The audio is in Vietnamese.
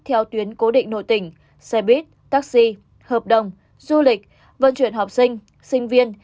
theo tuyến cố định nội tỉnh xe buýt taxi hợp đồng du lịch vận chuyển học sinh sinh viên